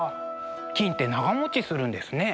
金って長もちするんですね。